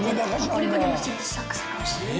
プニプニしててサクサクして。